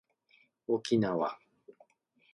おきなわ